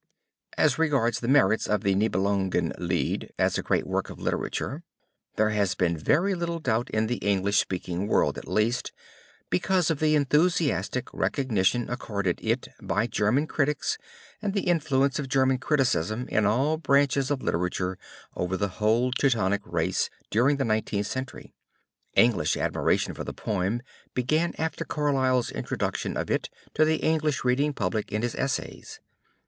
As regards the merits of the Nibelungen Lied as a great work of literature, there has been very little doubt in the English speaking world at least, because of the enthusiastic recognition accorded it by German critics and the influence of German criticism in all branches of literature over the whole Teutonic race during the Nineteenth Century. English admiration for the poem began after Carlyle's introduction of it to the English reading public in his essays.